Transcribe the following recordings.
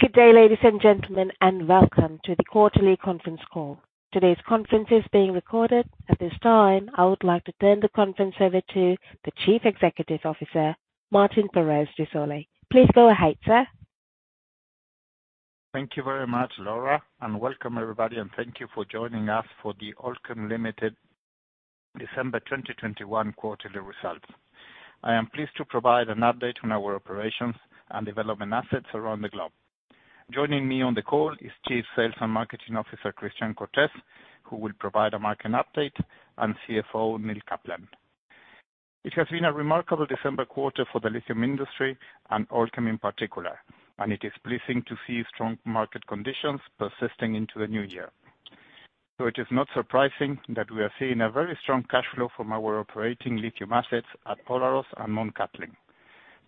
Good day, ladies and gentlemen, and welcome to the quarterly conference call. Today's conference is being recorded. At this time, I would like to turn the conference over to the Chief Executive Officer, Martín Pérez de Solay. Please go ahead, sir. Thank you very much, Laura, and welcome everybody, and thank you for joining us for the Allkem Limited December 2021 quarterly results. I am pleased to provide an update on our operations and development assets around the globe. Joining me on the call is Chief Sales and Marketing Officer, Christian Cortés, who will provide a market update, and CFO, Neil Kaplan. It has been a remarkable December quarter for the lithium industry and Allkem in particular, and it is pleasing to see strong market conditions persisting into the new year. It is not surprising that we are seeing a very strong cash flow from our operating lithium assets at Olaroz and Mt Cattlin.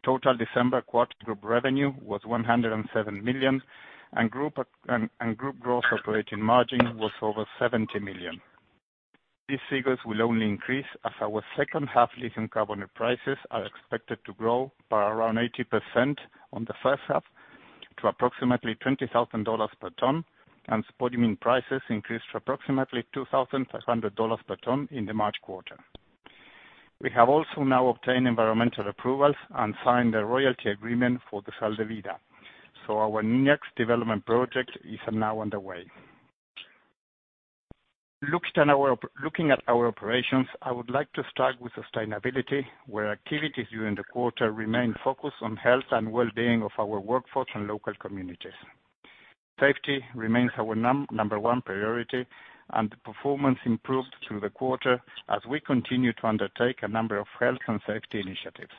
Total December quarter group revenue was 107 million, and group gross operating margin was over 70 million. These figures will only increase as our second half lithium carbonate prices are expected to grow by around 80% on the first half to approximately 20,000 dollars per ton, and spodumene prices increased to approximately 2,500 dollars per ton in the March quarter. We have also now obtained environmental approvals and signed a royalty agreement for the Sal de Vida, so our next development project is now underway. Looking at our operations, I would like to start with sustainability, where activities during the quarter remain focused on health and well-being of our workforce and local communities. Safety remains our number one priority, and performance improved through the quarter as we continue to undertake a number of health and safety initiatives.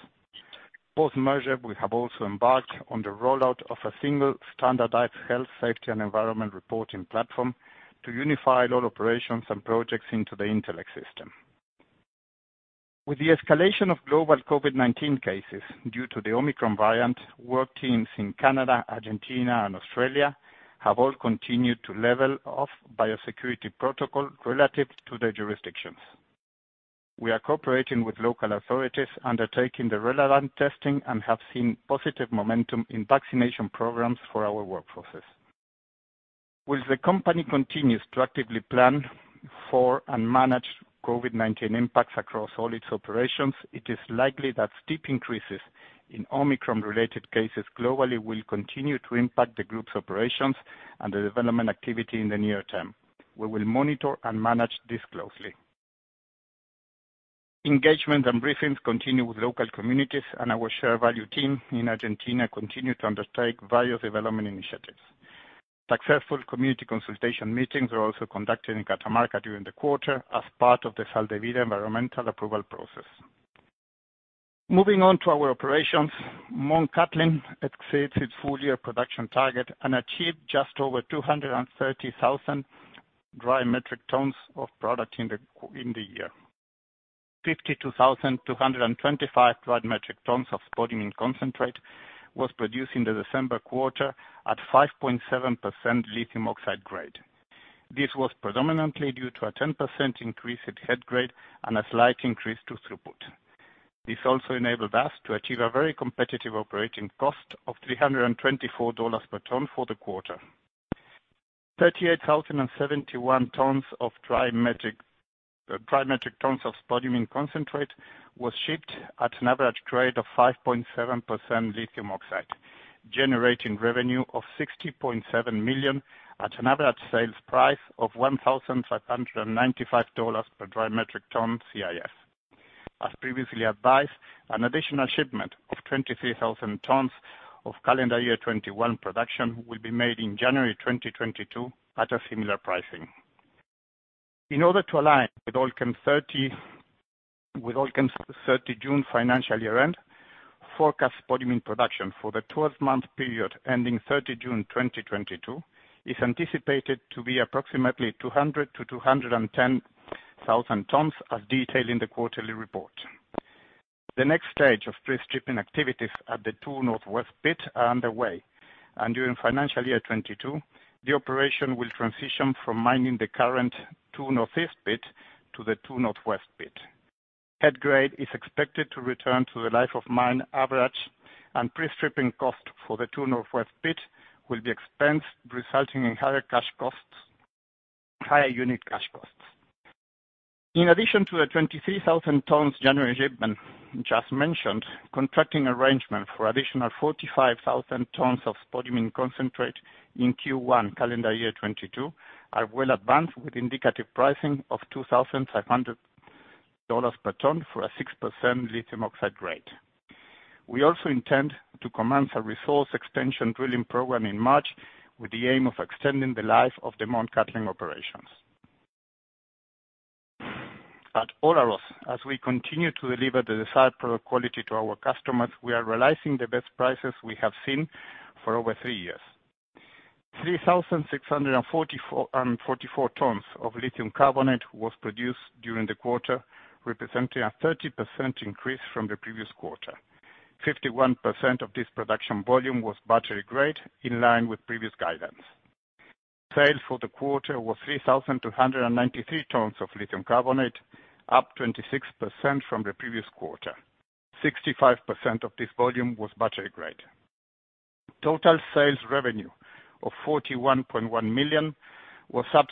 Post-merger, we have also embarked on the rollout of a single standardized health safety and environment reporting platform to unify all operations and projects into the Intellect system. With the escalation of global COVID-19 cases due to the Omicron variant, work teams in Canada, Argentina, and Australia have all continued to level off biosecurity protocol relative to their jurisdictions. We are cooperating with local authorities undertaking the relevant testing and have seen positive momentum in vaccination programs for our workforces. While the company continues to actively plan for and manage COVID-19 impacts across all its operations, it is likely that steep increases in Omicron-related cases globally will continue to impact the group's operations and the development activity in the near term. We will monitor and manage this closely. Engagement and briefings continue with local communities and our shared value team in Argentina continue to undertake various development initiatives. Successful community consultation meetings were also conducted in Catamarca during the quarter as part of the Sal de Vida environmental approval process. Moving on to our operations, Mt Cattlin exceeds its full-year production target and achieved just over 230,000 dry metric tons of product in the year. 52,225 dry metric tons of spodumene concentrate was produced in the December quarter at 5.7% lithium oxide grade. This was predominantly due to a 10% increase in head grade and a slight increase to throughput. This also enabled us to achieve a very competitive operating cost of 324 dollars per ton for the quarter. 38,071 dry metric tons of spodumene concentrate was shipped at an average grade of 5.7% lithium oxide, generating revenue of 60.7 million at an average sales price of 1,595 dollars per dry metric ton CIF. As previously advised, an additional shipment of 23,000 tons of calendar year 2021 production will be made in January 2022 at a similar pricing. In order to align with Allkem's 30 June financial year end, forecast spodumene production for the twelve-month period ending 30 June 2022 is anticipated to be approximately 200,000-210,000 tons, as detailed in the quarterly report. The next stage of pre-stripping activities at the Two North West pit are underway, and during financial year 2022, the operation will transition from mining the current Two North East pit to the Two North West pit. Head grade is expected to return to the life of mine average and pre-stripping cost for the Two North West pit will be expensed, resulting in higher cash costs, higher unit cash costs. In addition to the 23,000 tons January shipment just mentioned, contracting arrangement for additional 45,000 tons of spodumene concentrate in Q1 calendar year 2022 are well advanced with indicative pricing of 2,500 dollars per ton for a 6% lithium oxide grade. We also intend to commence a resource extension drilling program in March with the aim of extending the life of the Mt Cattlin operations. At Olaroz, as we continue to deliver the desired product quality to our customers, we are realizing the best prices we have seen for over three years. 3,644.44 tons of lithium carbonate was produced during the quarter, representing a 30% increase from the previous quarter. 51% of this production volume was battery grade in line with previous guidance. Sales for the quarter was 3,293 tons of lithium carbonate, up 26% from the previous quarter. 65% of this volume was battery grade. Total sales revenue of 41.1 million was up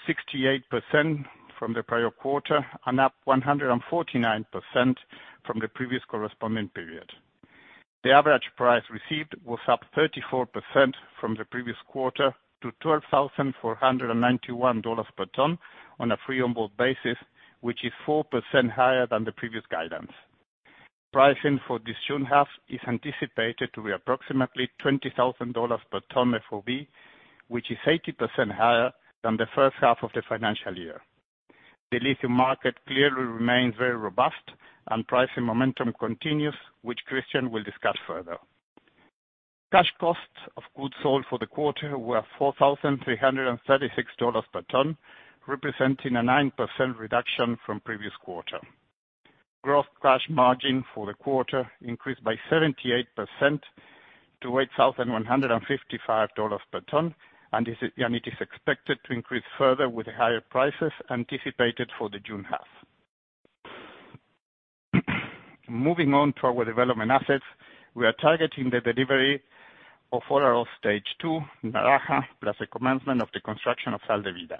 68% from the prior quarter and up 149% from the previous corresponding period. The average price received was up 34% from the previous quarter to 12,491 dollars per ton on a free on board basis, which is 4% higher than the previous guidance. Pricing for this June half is anticipated to be approximately 20,000 dollars per ton FOB, which is 80% higher than the first half of the financial year. The lithium market clearly remains very robust and pricing momentum continues, which Christian will discuss further. Cash costs of goods sold for the quarter were 4,336 dollars per ton, representing a 9% reduction from previous quarter. Gross cash margin for the quarter increased by 78% to 8,155 dollars per ton, and it is expected to increase further with higher prices anticipated for the June half. Moving on to our development assets, we are targeting the delivery of Olaroz Stage 2, Naraha, plus the commencement of the construction of Sal de Vida.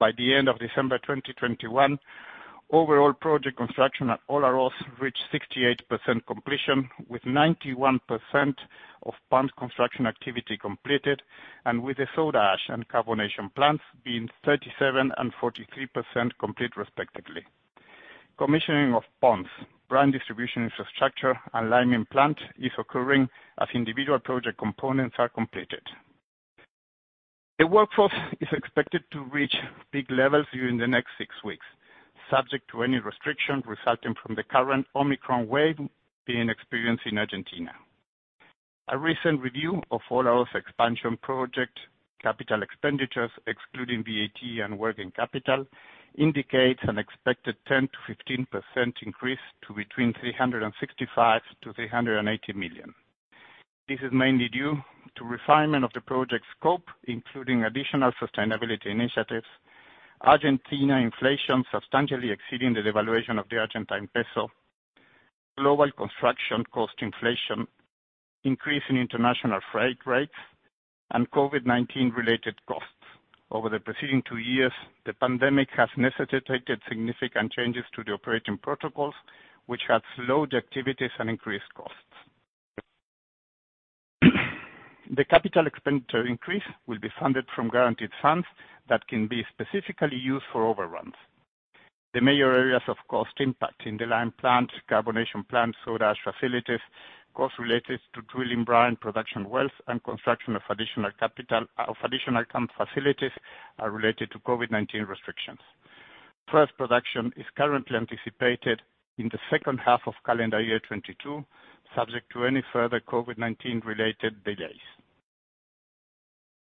By the end of December 2021, overall project construction at Olaroz reached 68% completion, with 91% of pond construction activity completed, and with the soda ash and carbonation plants being 37% and 43% complete respectively. Commissioning of ponds, brine distribution infrastructure, and lime plant is occurring as individual project components are completed. The workforce is expected to reach peak levels during the next six weeks, subject to any restriction resulting from the current Omicron wave being experienced in Argentina. A recent review of Olaroz expansion project capital expenditures, excluding VAT and working capital, indicates an expected 10%-15% increase to between 365 million-380 million. This is mainly due to refinement of the project scope, including additional sustainability initiatives, Argentina inflation substantially exceeding the devaluation of the Argentine peso, global construction cost inflation, increase in international freight rates, and COVID-19 related costs. Over the preceding two years, the pandemic has necessitated significant changes to the operating protocols, which have slowed activities and increased costs. The capital expenditure increase will be funded from guaranteed funds that can be specifically used for overruns. The major areas of cost impact in the lime plant, carbonation plant, soda ash facilities, costs related to drilling brine, production wells, and construction of additional camp facilities are related to COVID-19 restrictions. First production is currently anticipated in the second half of calendar year 2022, subject to any further COVID-19 related delays.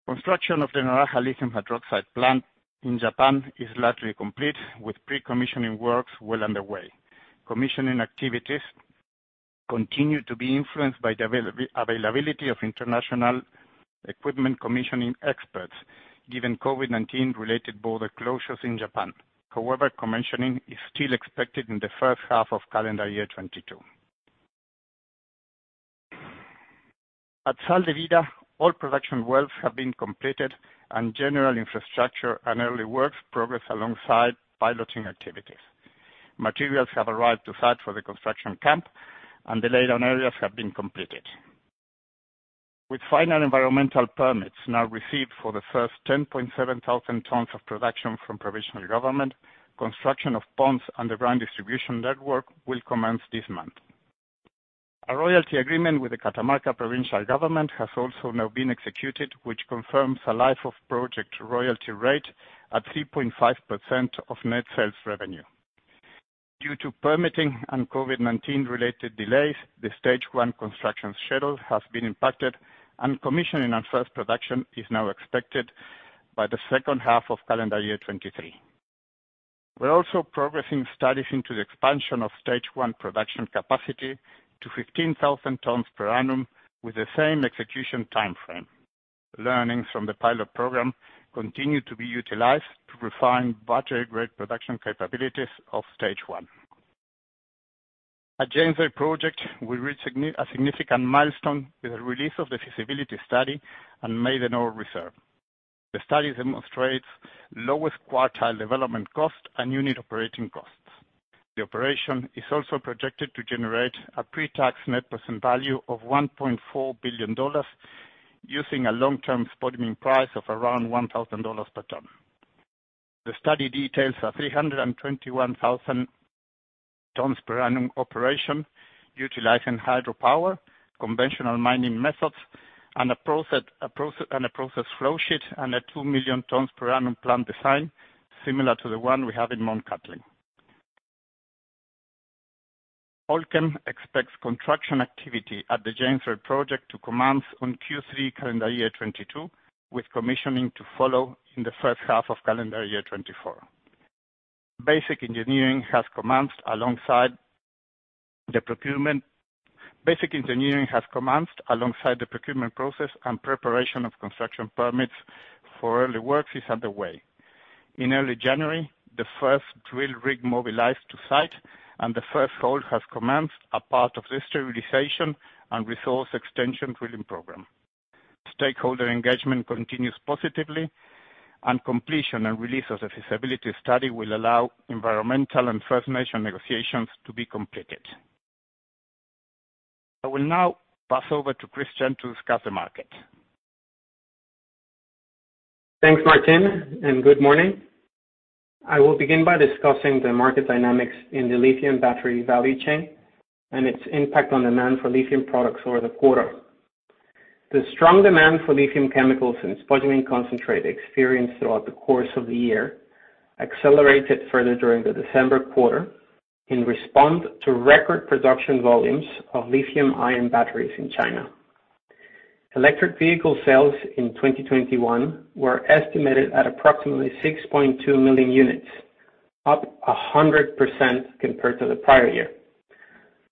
Construction of the Naraha lithium hydroxide plant in Japan is largely complete, with pre-commissioning works well underway. Commissioning activities continue to be influenced by the availability of international equipment commissioning experts, given COVID-19 related border closures in Japan. However, commissioning is still expected in the first half of calendar year 2022. At Sal de Vida, all production wells have been completed and general infrastructure and early works progress alongside piloting activities. Materials have arrived to site for the construction camp and the laydown areas have been completed. With final environmental permits now received for the first 10.7 thousand tons of production from provincial government, construction of ponds and the brine distribution network will commence this month. A royalty agreement with the Catamarca provincial government has also now been executed, which confirms a life of project royalty rate at 3.5% of net sales revenue. Due to permitting and COVID-19 related delays, the stage 1 construction schedule has been impacted and commissioning and first production is now expected by the second half of calendar year 2023. We're also progressing studies into the expansion of stage 1 production capacity to 15,000 tons per annum with the same execution timeframe. Learnings from the pilot program continue to be utilized to refine battery grade production capabilities of stage 1. At James Bay project, we reached a significant milestone with the release of the feasibility study and made an ore reserve. The study demonstrates lowest quartile development cost and unit operating costs. The operation is also projected to generate a pre-tax net present value of 1.4 billion dollars using a long-term spodumene price of around 1,000 dollars per ton. The study details a 321,000 tons per annum operation utilizing hydropower, conventional mining methods, and a process flow sheet and a 2 million tons per annum plant design, similar to the one we have in Mt Cattlin. Allkem expects construction activity at the James Bay project to commence on Q3 calendar year 2022, with commissioning to follow in the first half of calendar year 2024. Basic engineering has commenced alongside the procurement process and preparation of construction permits for early works is underway. In early January, the first drill rig mobilized to site and the first hole has commenced as part of this sterilization and resource extension drilling program. Stakeholder engagement continues positively and completion and release of the feasibility study will allow environmental and First Nations negotiations to be completed. I will now pass over to Christian to discuss the market. Thanks, Martín, and good morning. I will begin by discussing the market dynamics in the lithium battery value chain and its impact on demand for lithium products over the quarter. The strong demand for lithium chemicals and spodumene concentrate experienced throughout the course of the year accelerated further during the December quarter in response to record production volumes of lithium-ion batteries in China. Electric vehicle sales in 2021 were estimated at approximately 6.2 million units, up 100% compared to the prior year.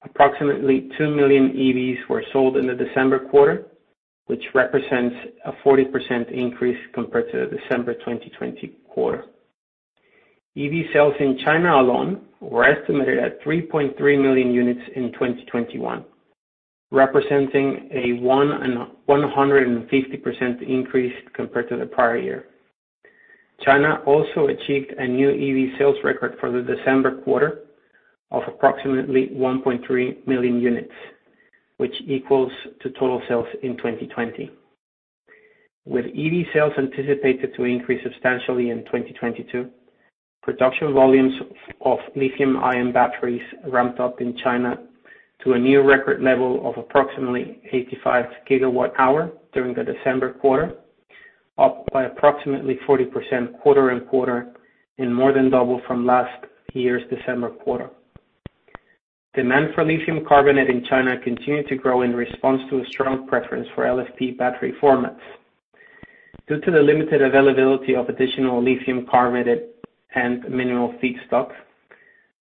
Approximately 2 million EVs were sold in the December quarter, which represents a 40% increase compared to the December 2020 quarter. EV sales in China alone were estimated at 3.3 million units in 2021, representing a 150% increase compared to the prior year. China also achieved a new EV sales record for the December quarter of approximately 1.3 million units, which equals to total sales in 2020. With EV sales anticipated to increase substantially in 2022, production volumes of lithium-ion batteries ramped up in China to a new record level of approximately 85 GW hours during the December quarter, up by approximately 40% quarter-on-quarter and more than double from last year's December quarter. Demand for lithium carbonate in China continued to grow in response to a strong preference for LFP battery formats. Due to the limited availability of additional lithium carbonate and mineral feedstock,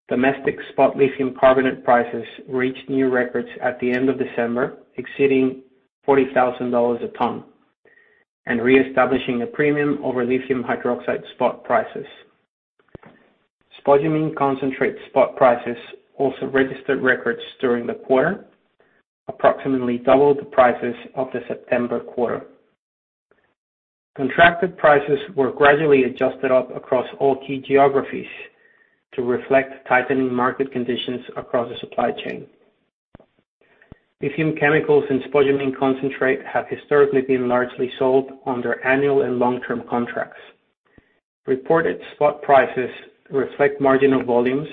domestic spot lithium carbonate prices reached new records at the end of December, exceeding 40,000 dollars a ton and reestablishing a premium over lithium hydroxide spot prices. Spodumene concentrate spot prices also registered records during the quarter, approximately double the prices of the September quarter. Contracted prices were gradually adjusted up across all key geographies to reflect tightening market conditions across the supply chain. Lithium chemicals and spodumene concentrate have historically been largely sold under annual and long-term contracts. Reported spot prices reflect marginal volumes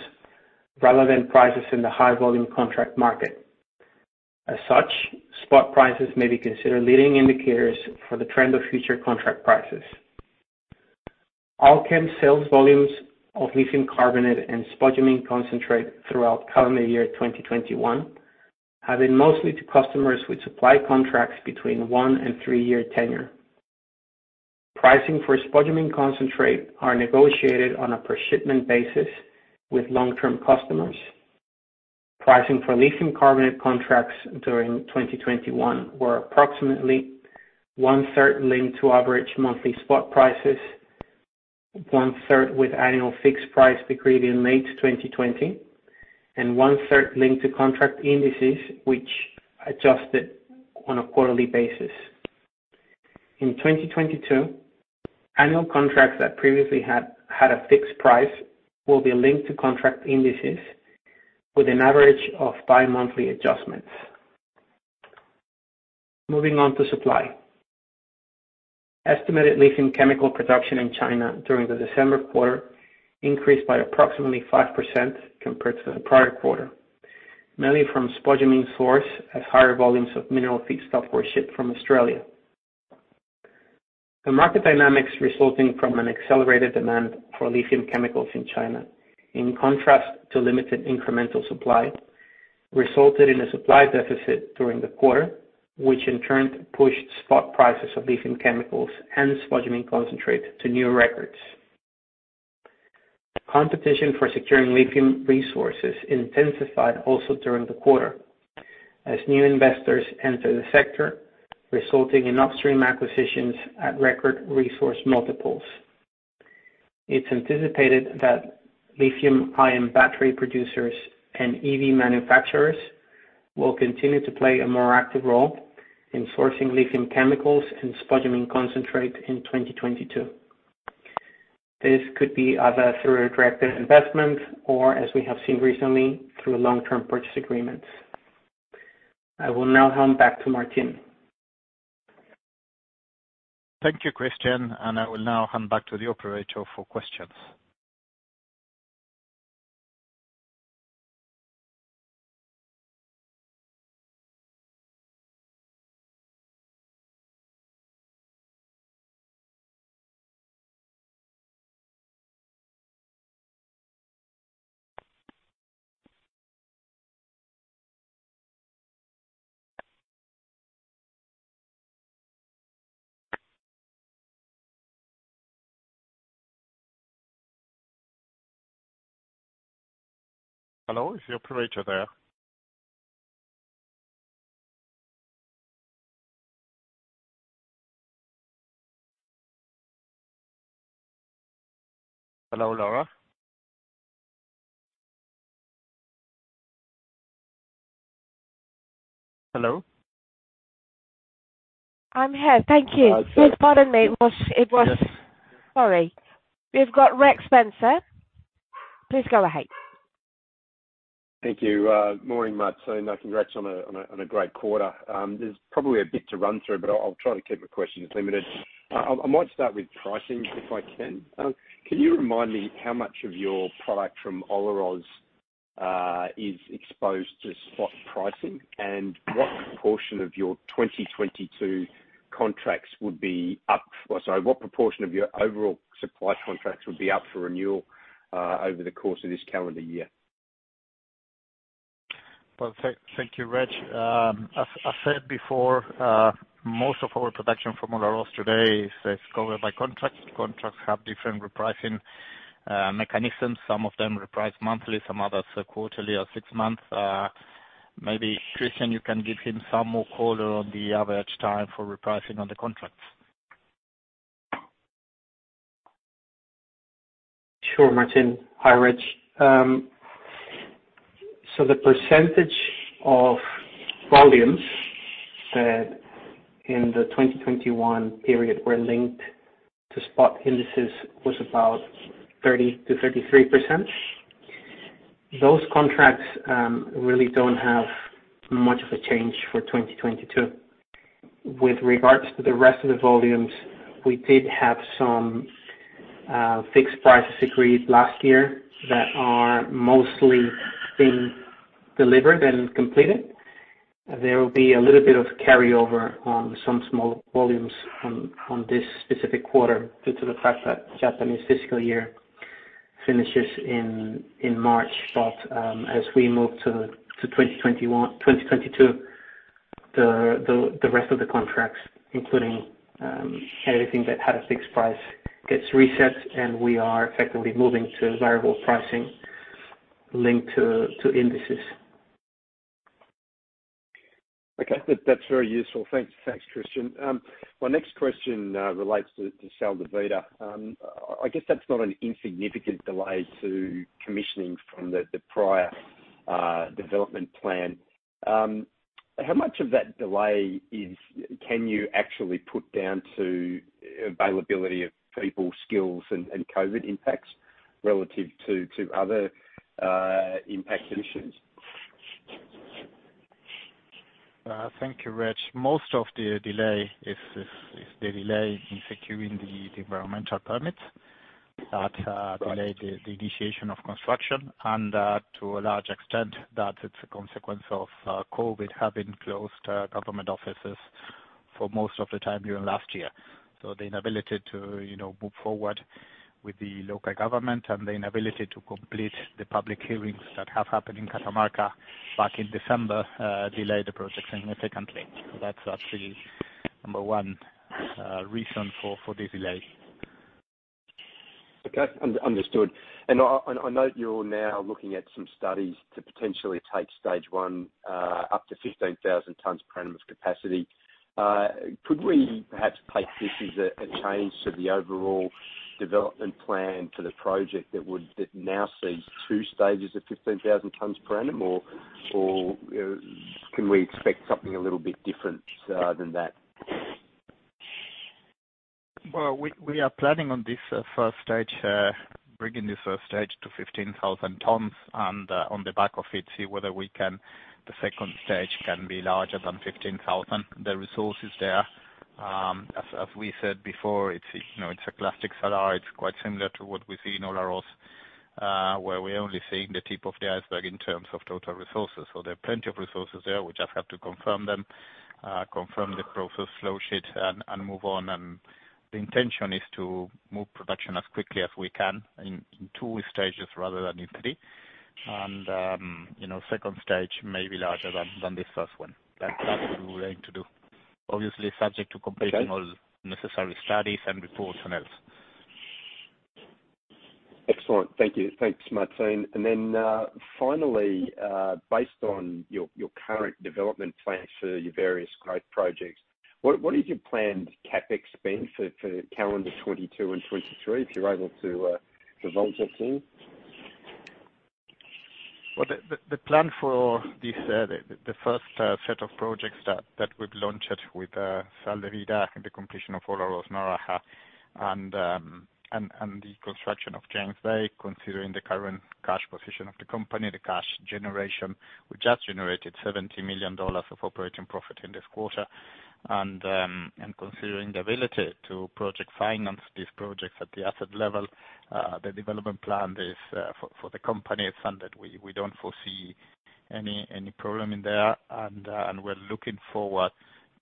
rather than prices in the high volume contract market. As such, spot prices may be considered leading indicators for the trend of future contract prices. Allkem sales volumes of lithium carbonate and spodumene concentrate throughout calendar year 2021 have been mostly to customers with supply contracts between one and three year tenure. Pricing for spodumene concentrate are negotiated on a per shipment basis with long-term customers. Pricing for lithium carbonate contracts during 2021 were approximately one-third linked to average monthly spot prices, one-third with annual fixed price agreed in late 2020, and one-third linked to contract indices which adjusted on a quarterly basis. In 2022, annual contracts that previously had a fixed price will be linked to contract indices with an average of bimonthly adjustments. Moving on to supply. Estimated lithium chemical production in China during the December quarter increased by approximately 5% compared to the prior quarter, mainly from spodumene source as higher volumes of mineral feedstock were shipped from Australia. The market dynamics resulting from an accelerated demand for lithium chemicals in China, in contrast to limited incremental supply, resulted in a supply deficit during the quarter, which in turn pushed spot prices of lithium chemicals and spodumene concentrate to new records. Competition for securing lithium resources intensified also during the quarter as new investors enter the sector, resulting in upstream acquisitions at record resource multiples. It's anticipated that lithium-ion battery producers and EV manufacturers will continue to play a more active role in sourcing lithium chemicals and spodumene concentrate in 2022. This could be either through a direct investment or as we have seen recently, through long-term purchase agreements. I will now hand back to Martín. Thank you, Christian, and I will now hand back to the operator for questions. Hello, is your operator there? Hello, Laura? Hello? I'm here. Thank you. Sorry. Please pardon me. It was. Yes. Sorry. We've got Reg Spencer. Please go ahead. Thank you. Morning, Martín. Congrats on a great quarter. There's probably a bit to run through, but I'll try to keep my questions limited. I might start with pricing if I can. Can you remind me how much of your product from Olaroz is exposed to spot pricing? And what proportion of your overall supply contracts would be up for renewal over the course of this calendar year? Thank you, Reg. As I said before, most of our production from Olaroz today is covered by contracts. Contracts have different repricing mechanisms. Some of them reprice monthly, some others are quarterly or six months. Maybe, Christian, you can give him some more color on the average time for repricing on the contracts. Sure, Martín. Hi, Reg. So the percentage of volumes that in the 2021 period were linked to spot indices was about 30%-33%. Those contracts really don't have much of a change for 2022. With regards to the rest of the volumes, we did have some fixed prices agreed last year that are mostly being delivered and completed. There will be a little bit of carryover on some small volumes on this specific quarter due to the fact that Japanese fiscal year finishes in March. As we move to 2022, the rest of the contracts, including anything that had a fixed price, gets reset, and we are effectively moving to variable pricing linked to indices. Okay. That's very useful. Thanks. Thanks, Christian. My next question relates to Sal de Vida. I guess that's not an insignificant delay to commissioning from the prior development plan. How much of that delay can you actually put down to availability of people skills and COVID impacts relative to other impact issues? Thank you, Reg. Most of the delay is the delay in securing the environmental permits that Right delayed the initiation of construction, and to a large extent that's a consequence of COVID having closed government offices for most of the time during last year. The inability to, you know, move forward with the local government and the inability to complete the public hearings that have happened in Catamarca back in December delayed the project significantly. That's actually number one reason for this delay. Okay. Understood. I note you're now looking at some studies to potentially take Stage 1 up to 15,000 tons per annum of capacity. Could we perhaps take this as a change to the overall development plan for the project that now sees two stages of 15,000 tons per annum or can we expect something a little bit different than that? Well, we are planning on this first stage, bringing this first stage to 15,000 tons and on the back of it, the second stage can be larger than 15,000. The resource is there. As we said before, it's, you know, it's a classic salar. It's quite similar to what we see in Olaroz, where we're only seeing the tip of the iceberg in terms of total resources. So there are plenty of resources there. We just have to confirm them, confirm the process flow sheet and move on. The intention is to move production as quickly as we can in two stages rather than in three. You know, second stage may be larger than this first one. That's what we're going to do, obviously subject to- Okay. Completing all necessary studies and reports and else. Excellent. Thank you. Thanks, Martín. Finally, based on your current development plans for your various growth projects, what is your planned CapEx spend for calendar 2022 and 2023, if you're able to divulge that to me? The plan for this first set of projects that we've launched with Sal de Vida and the completion of Olaroz-Nuestra and the construction of James Bay, considering the current cash position of the company, the cash generation, we just generated 70 million dollars of operating profit in this quarter. Considering the ability to project finance these projects at the asset level, the development plan for the company is funded. We don't foresee any problem in there. We're looking forward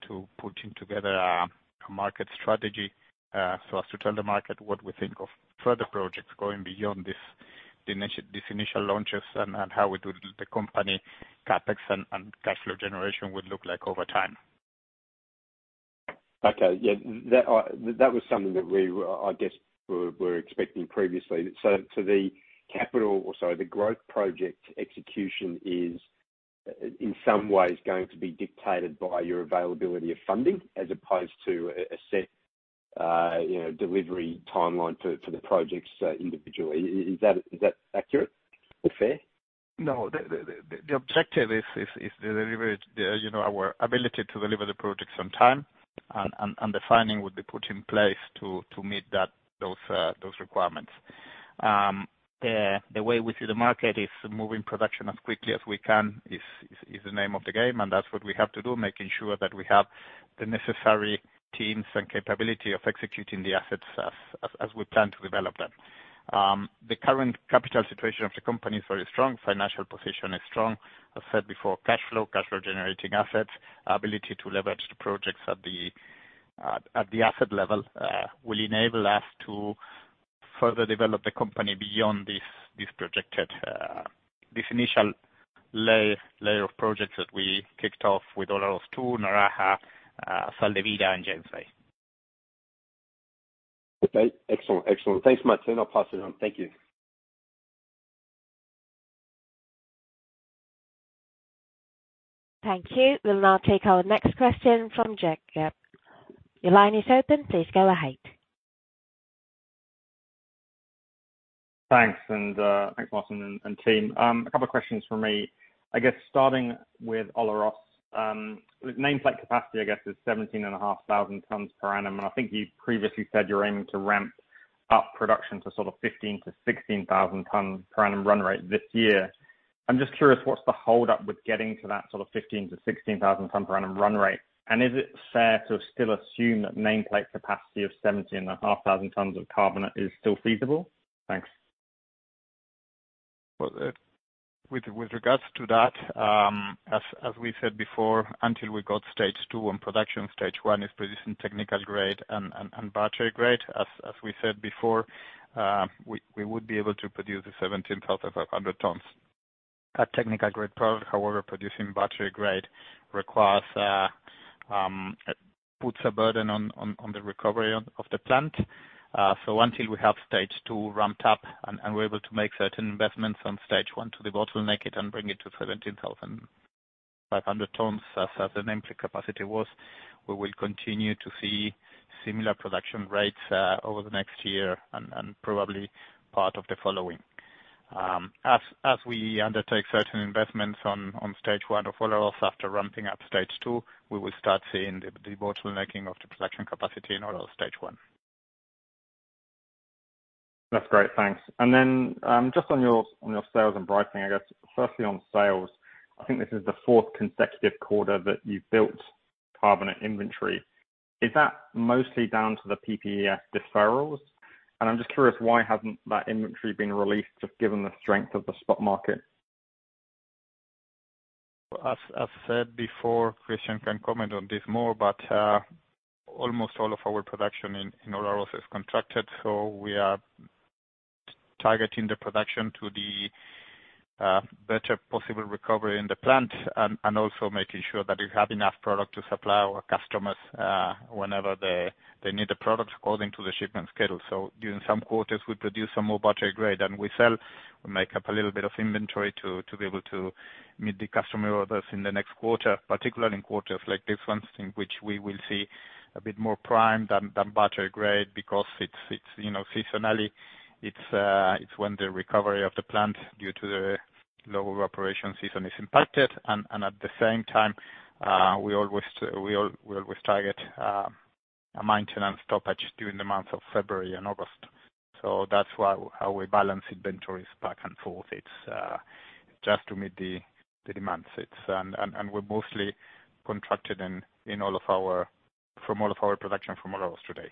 to putting together a market strategy so as to tell the market what we think of further projects going beyond this initial launches and how we do the company CapEx and cash flow generation would look like over time. Okay. Yeah, that was something that we, I guess, were expecting previously. The growth project execution is in some ways going to be dictated by your availability of funding as opposed to a set, you know, delivery timeline to the projects individually. Is that accurate or fair? No. The objective is to deliver, you know, our ability to deliver the projects on time and the funding would be put in place to meet those requirements. The way we see the market is moving production as quickly as we can is the name of the game, and that's what we have to do, making sure that we have the necessary teams and capability of executing the assets as we plan to develop them. The current capital situation of the company is very strong. Financial position is strong. I've said before, cash flow generating assets, ability to leverage the projects at the asset level, will enable us to further develop the company beyond this initial layer of projects that we kicked off with Olaroz 2, Naraha, Sal de Vida and James Bay. Okay. Excellent. Excellent. Thanks Martín. I'll pass it on. Thank you. Thank you. We'll now take our next question from Jack Gabb. Your line is open. Please go ahead. Thanks, and thanks Martín and team. A couple of questions from me. I guess starting with Olaroz, with nameplate capacity I guess is 17,500 tons per annum. I think you previously said you're aiming to ramp up production to sort of 15,000-16,000 tons per annum run rate this year. I'm just curious what's the hold up with getting to that sort of 15,000-16,000 tons per annum run rate? Is it fair to still assume that nameplate capacity of 17,500 tons of carbonate is still feasible? Thanks. Well, with regards to that, as we said before, until we got stage 2 on production, stage 1 is producing technical grade and battery grade. As we said before, we would be able to produce 17,500 tons at technical grade product. However, producing battery grade puts a burden on the recovery of the plant. Until we have stage 2 ramped up and we're able to make certain investments on stage 1 to debottleneck it and bring it to 17,500 tons as the nameplate capacity was, we will continue to see similar production rates over the next year and probably part of the following. As we undertake certain investments on Stage 1 of Olaroz after ramping up Stage 2, we will start seeing the bottlenecking of the production capacity in Olaroz Stage 1. That's great. Thanks. Just on your sales and pricing, I guess firstly on sales, I think this is the fourth consecutive quarter that you've built carbonate inventory. Is that mostly down to the PPES deferrals? I'm just curious, why hasn't that inventory been released given the strength of the spot market? As I said before, Christian can comment on this more, but almost all of our production in Olaroz is contracted, so we are targeting the production to the better possible recovery in the plant and also making sure that we have enough product to supply our customers whenever they need the product according to the shipment schedule. During some quarters we produce some more battery grade and we make up a little bit of inventory to be able to meet the customer orders in the next quarter, particularly in quarters like this one in which we will see a bit more technical than battery grade because it's, you know, seasonally, it's when the recovery of the plant due to the lower operation season is impacted. At the same time, we always target a maintenance stoppage during the months of February and August. That's why we balance inventories back and forth. It's just to meet the demand sets. We're mostly contracted in all of our production from Olaroz today.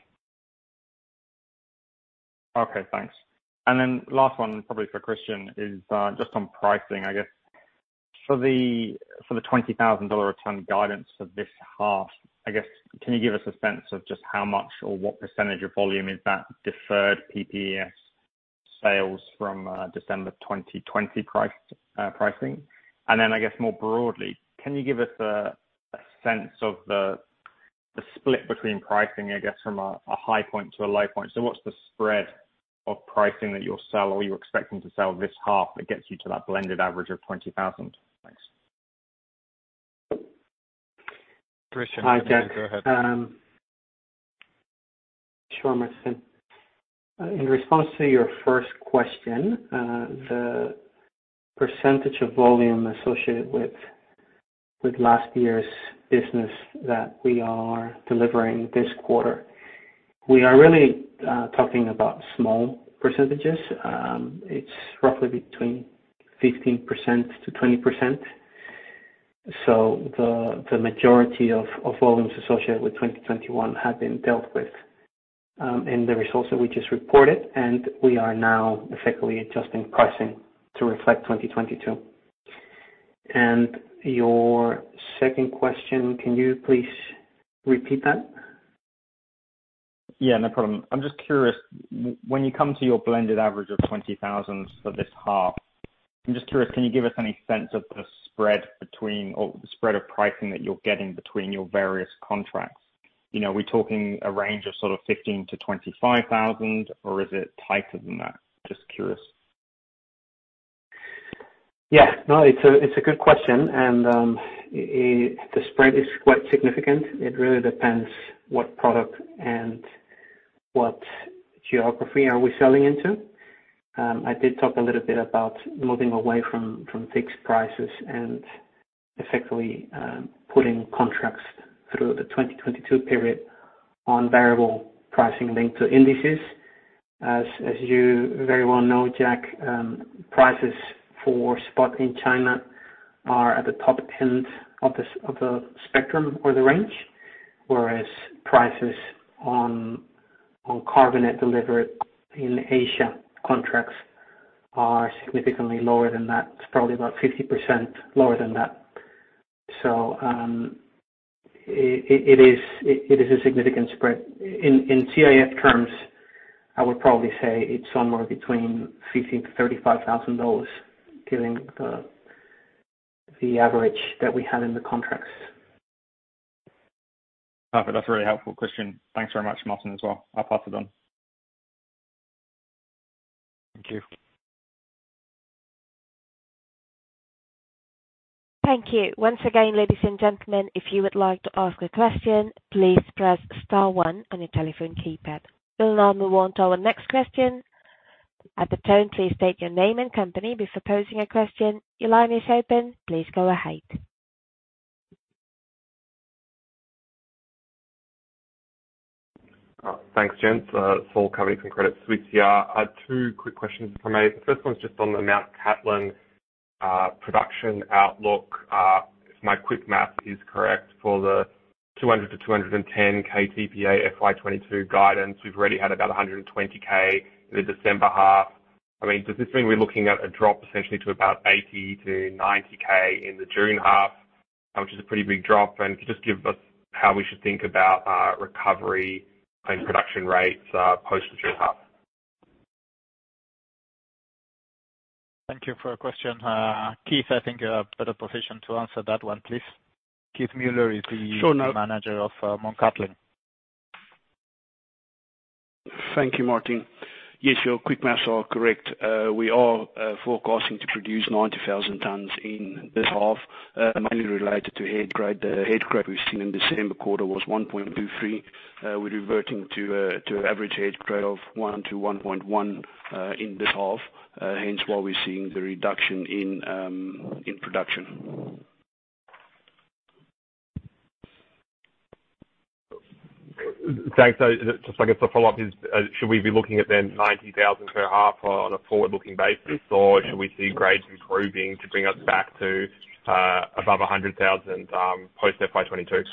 Okay, thanks. Last one, probably for Christian, is just on pricing, I guess for the 20,000 dollar a ton guidance for this half, I guess. Can you give us a sense of just how much or what percentage of volume is that deferred PPES sales from December 2020 price pricing? I guess more broadly, can you give us a sense of the split between pricing, I guess, from a high point to a low point? What's the spread of pricing that you'll sell or you're expecting to sell this half that gets you to that blended average of 20,000? Thanks. Christian, go ahead. Hi, Jack. Sure, Martín. In response to your first question, the percentage of volume associated with last year's business that we are delivering this quarter, we are really talking about small percentages. It's roughly between 15%-20%. The majority of volumes associated with 2021 have been dealt with in the results that we just reported, and we are now effectively adjusting pricing to reflect 2022. Your second question, can you please repeat that? Yeah, no problem. I'm just curious, when you come to your blended average of 20,000 for this half, can you give us any sense of the spread between or the spread of pricing that you're getting between your various contracts? You know, are we talking a range of sort of 15,000-25,000, or is it tighter than that? Just curious. Yeah. No, it's a good question, and the spread is quite significant. It really depends what product and what geography are we selling into. I did talk a little bit about moving away from fixed prices and effectively pulling contracts through the 2022 period on variable pricing linked to indices. As you very well know, Jack, prices for spot in China are at the top end of the spectrum or the range. Whereas prices on carbonate delivered in Asia contracts are significantly lower than that. It's probably about 50% lower than that. It is a significant spread. In CIF terms, I would probably say it's somewhere between 15,000-35,000 dollars, given the average that we have in the contracts. Perfect. That's a really helpful question. Thanks very much, Martín, as well. I'll pass it on. Thank you. Thank you. Once again, ladies and gentlemen, if you would like to ask a question, please press star one on your telephone keypad. We'll now move on to our next question. At the tone, please state your name and company before posing a question. Your line is open. Please go ahead. Thanks, gents. Saul Kavonic from Credit Suisse here. I had two quick questions for Martín. The first one's just on the Mt. Cattlin production outlook. If my quick math is correct, for the 200-210 KTPA FY 2022 guidance, we've already had about 120 K in the December half. I mean, does this mean we're looking at a drop essentially to about 80 K-90 K in the June half, which is a pretty big drop? Can you just give us how we should think about recovery and production rates post the June half? Thank you for your question. Keith, I think you're in a better position to answer that one, please. Keith Muller is the- Sure. -manager of, uh, Mt Cattlin. Thank you, Martín. Yes, your quick math is correct. We are forecasting to produce 90,000 tons in this half, mainly related to head grade. The head grade we've seen in the December quarter was 1.23. We're reverting to average head grade of 1-1.1 in this half, hence why we're seeing the reduction in production. Thanks. I guess the follow-up is, should we be looking at then 90,000 per half on a forward-looking basis, or should we see grades improving to bring us back to, above 100,000, post FY 2022?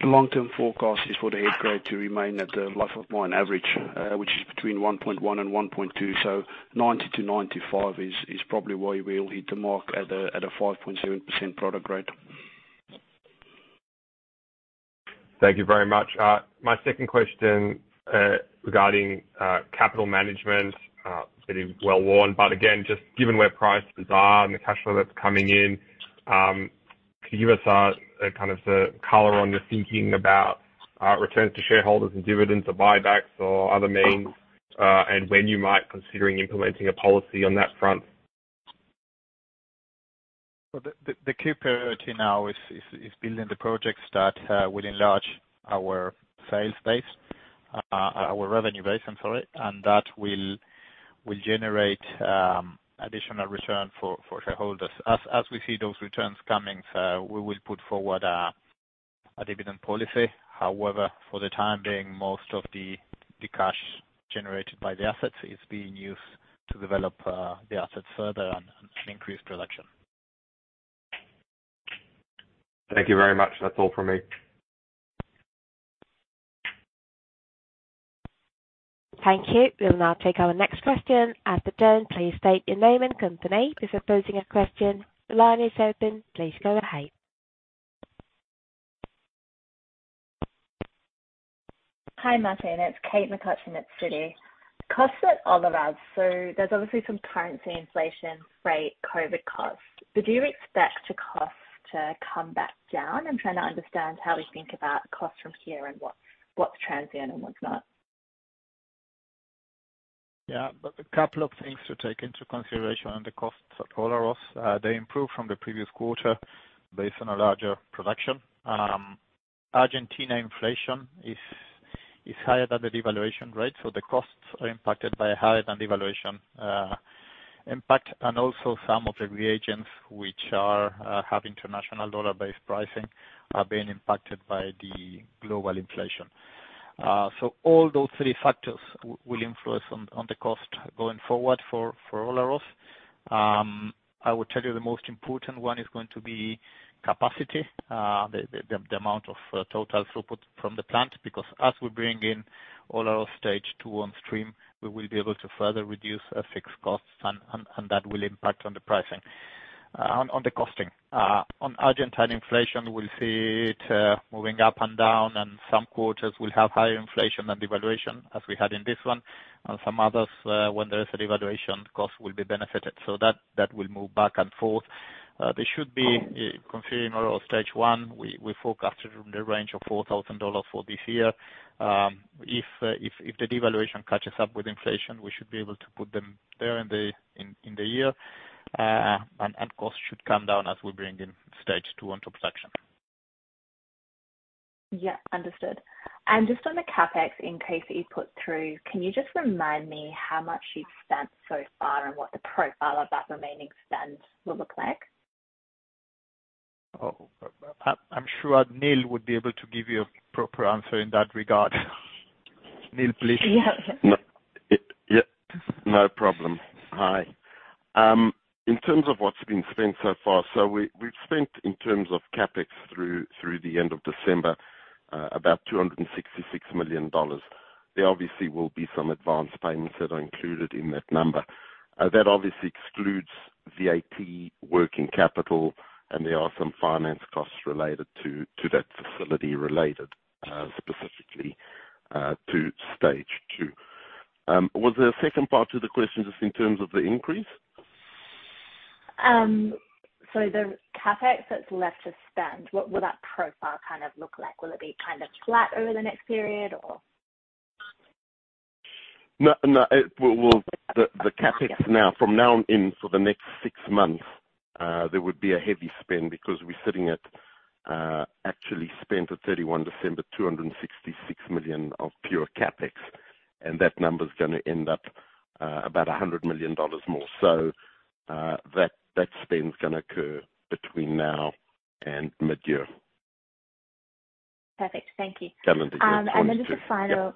The long-term forecast is for the head grade to remain at the life of mine average, which is between 1.1 and 1.2. 90-95 is probably where we'll hit the mark at a 5.7% product grade. Thank you very much. My second question, regarding capital management, getting well-worn, but again, just given where prices are and the cash flow that's coming in, can you give us kind of the color on your thinking about returns to shareholders and dividends or buybacks or other means, and when you might considering implementing a policy on that front? The key priority now is building the projects that will enlarge our sales base, our revenue base, I'm sorry. That will generate additional return for shareholders. As we see those returns coming, we will put forward a dividend policy. However, for the time being, most of the cash generated by the assets is being used to develop the assets further and increase production. Thank you very much. That's all from me. Thank you. We'll now take our next question. At the tone, please state your name and company before posing a question. The line is open. Please go ahead. Hi, Martín. It's Kate McCutcheon at Citi. Costs at Olaroz. There's obviously some currency inflation, rate, COVID costs. Do you expect the costs to come back down? I'm trying to understand how we think about costs from here and what's transient and what's not. Yeah. A couple of things to take into consideration on the costs at Olaroz. They improved from the previous quarter based on a larger production. Argentina inflation is higher than the devaluation rate, so the costs are impacted by a higher than devaluation impact. And also some of the reagents which are have international dollar-based pricing are being impacted by the global inflation. So all those three factors will influence on the cost going forward for Olaroz. I would tell you the most important one is going to be capacity, the amount of total throughput from the plant. Because as we bring in Olaroz Stage 2 on stream, we will be able to further reduce fixed costs and that will impact on the pricing on the costing. On Argentine inflation, we'll see it moving up and down, and some quarters will have higher inflation than devaluation, as we had in this one, and some others, when there's a devaluation, costs will be benefited. That will move back and forth. They should be considering our Stage 1, we forecasted in the range of 4,000 dollars for this year. If the devaluation catches up with inflation, we should be able to put them there in the year. Costs should come down as we bring in Stage 2 into production. Yeah. Understood. Just on the CapEx increase that you put through, can you just remind me how much you've spent so far and what the profile of that remaining spend will look like? I'm sure Neil would be able to give you a proper answer in that regard. Neil, please. Yeah. No problem. Hi. In terms of what's been spent so far, we've spent in terms of CapEx through the end of December about 266 million dollars. There obviously will be some advanced payments that are included in that number. That obviously excludes VAT working capital, and there are some finance costs related to that facility related specifically to stage 2. Was there a second part to the question just in terms of the increase? The CapEx that's left to spend, what will that profile kind of look like? Will it be kind of flat over the next period, or? No. It will. The CapEx now. Yeah. From now on in for the next six months, there would be a heavy spend because we're sitting at, actually spent at 31 December, 266 million of pure CapEx. That number's gonna end up about 100 million dollars more. That spend's gonna occur between now and mid-year. Perfect. Thank you. Calendar year, 42. Just final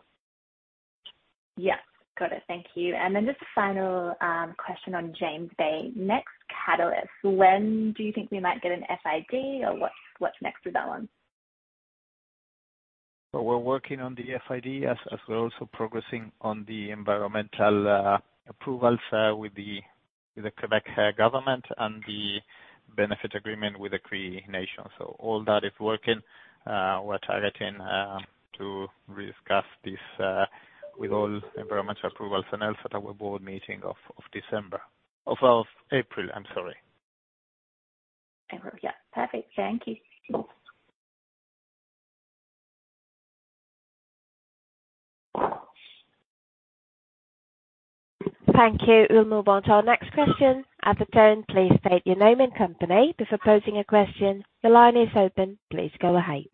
Yeah. Yeah. Got it. Thank you. Just a final question on James Bay. Next catalyst, when do you think we might get an FID or what's next with that one? We're working on the FID as we're also progressing on the environmental approvals with the Québec government and the benefit agreement with the Cree Nation. All that is working. We're targeting to re-discuss this with all environmental approvals and else at our board meeting of April, I'm sorry. April. Yeah. Perfect. Thank you. Thank you. We'll move on to our next question. As a turn, please state your name and company before posing a question. The line is open. Please go ahead.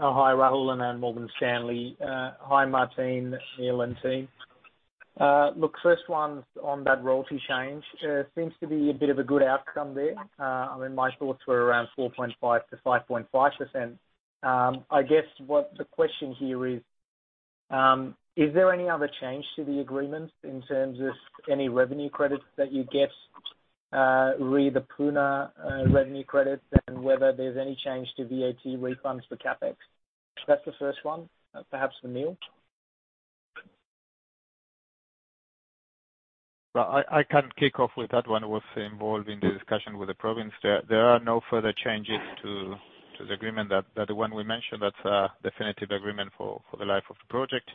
Oh, hi, Rahul Anand, Morgan Stanley. Hi, Martin, Neil, and team. Look, first one's on that royalty change. Seems to be a bit of a good outcome there. I mean, my thoughts were around 4.5%-5.5%. I guess what the question here is there any other change to the agreements in terms of any revenue credits that you get, re the Puna, revenue credits and whether there's any change to VAT refunds for CapEx? That's the first one. Perhaps for Neil. Well, I can kick off with that one. I was involved in the discussion with the province. There are no further changes to the agreement. That one we mentioned, that's a definitive agreement for the life of the project,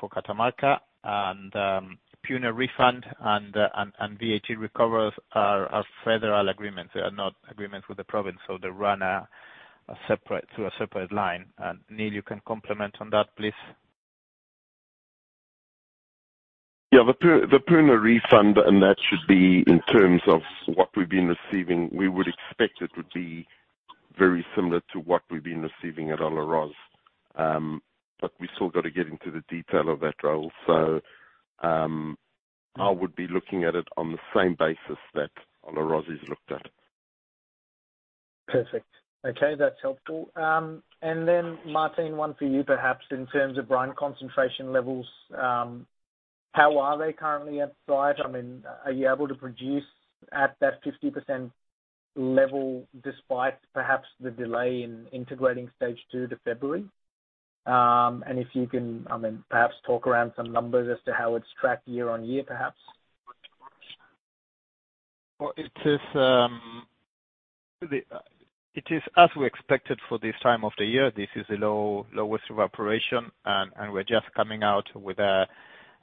for Catamarca. Puna refund and VAT recovers are federal agreements. They are not agreements with the province, so they run through a separate line. Neil, you can comment on that, please. The Puna refund, and that should be in terms of what we've been receiving. We would expect it would be very similar to what we've been receiving at Olaroz. But we still gotta get into the detail of that, Rahul. I would be looking at it on the same basis that Olaroz is looked at. Perfect. Okay. That's helpful. Martín, one for you perhaps in terms of brine concentration levels. How are they currently at site? I mean, are you able to produce at that 50% level despite perhaps the delay in integrating stage 2 to February? If you can, I mean, perhaps talk around some numbers as to how it's tracked year-on-year, perhaps. It is as we expected for this time of the year. This is the lowest evaporation, and we're just coming out with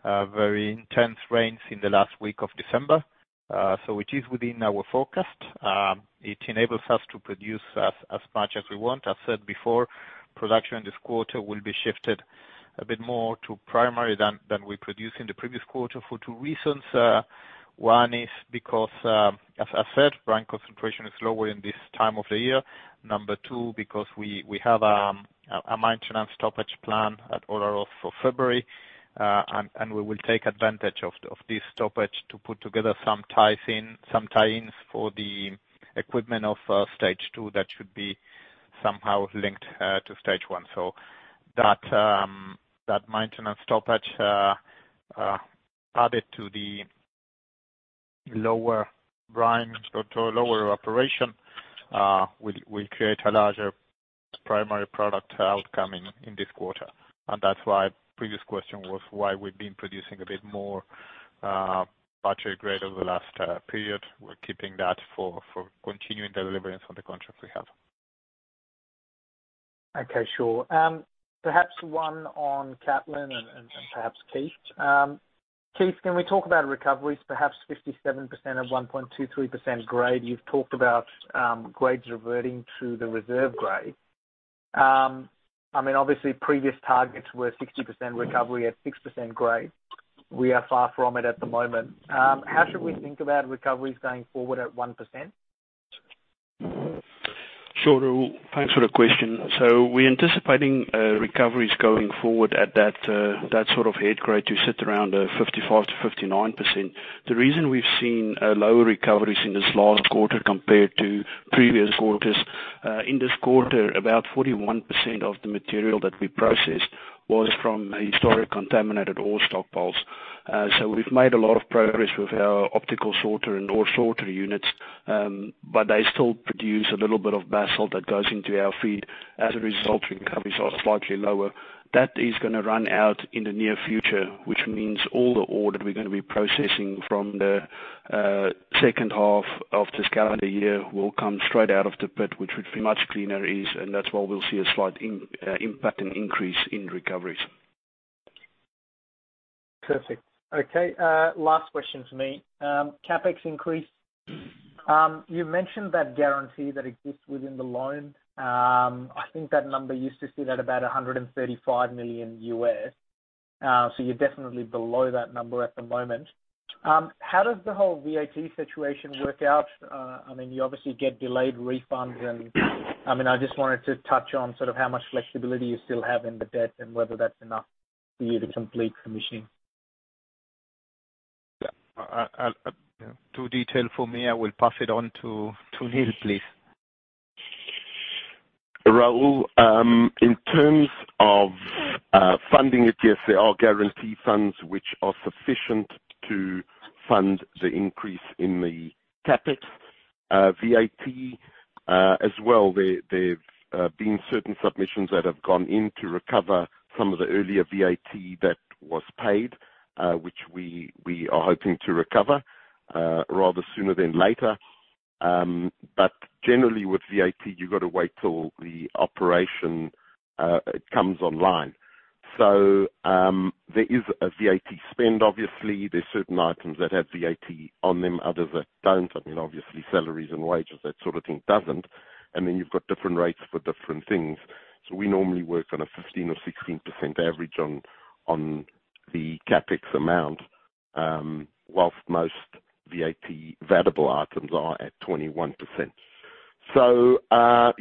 very intense rains in the last week of December, so it is within our forecast. It enables us to produce as much as we want. I've said before, production this quarter will be shifted a bit more to primary than we produced in the previous quarter for two reasons. One is because, as I said, brine concentration is lower in this time of the year. Number two, because we have a maintenance stoppage plan at Olaroz for February. We will take advantage of this stoppage to put together some tie-ins for the equipment of stage 2 that should be somehow linked to stage 1. That maintenance stoppage added to the lower brine, so lower evaporation will create a larger primary product outcome in this quarter. That's why previous question was why we've been producing a bit more battery grade over the last period. We're keeping that for continuing the delivery on the contracts we have. Okay, sure. Perhaps one on Mt. Cattlin and perhaps Keith. Keith, can we talk about recoveries, perhaps 57% of 1.23% grade. You've talked about grades reverting to the reserve grade. I mean, obviously, previous targets were 60% recovery at 6% grade. We are far from it at the moment. How should we think about recoveries going forward at 1%? Sure. Thanks for the question. We're anticipating recoveries going forward at that that sort of head grade to sit around 55%-59%. The reason we've seen lower recoveries in this last quarter compared to previous quarters in this quarter, about 41% of the material that we processed was from historic contaminated ore stockpiles. We've made a lot of progress with our optical sorter and ore sorter units, but they still produce a little bit of basalt that goes into our feed. As a result, recoveries are slightly lower. That is gonna run out in the near future, which means all the ore that we're gonna be processing from the second half of this calendar year will come straight out of the pit, which would be much cleaner, it is, and that's why we'll see a slight impact and increase in recoveries. Perfect. Okay, last question for me. CapEx increase. You mentioned that guarantee that exists within the loan. I think that number used to sit at about 135 million. So you're definitely below that number at the moment. How does the whole VAT situation work out? I mean, you obviously get delayed refunds and, I mean, I just wanted to touch on sort of how much flexibility you still have in the debt and whether that's enough for you to complete commissioning. Too detailed for me. I will pass it on to Neil, please. Rahul, in terms of funding it, yes, there are guarantee funds which are sufficient to fund the increase in the CapEx, VAT, as well. There've been certain submissions that have gone in to recover some of the earlier VAT that was paid, which we are hoping to recover rather sooner than later. But generally, with VAT, you've got to wait till the operation comes online. There is a VAT spend, obviously. There's certain items that have VAT on them, others that don't. I mean, obviously, salaries and wages, that sort of thing, doesn't. Then you've got different rates for different things. We normally work on a 15% or 16% average on the CapEx amount, whilst most VAT variable items are at 21%.